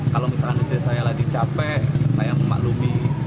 kalau misalnya istri saya lagi capek saya memaklumi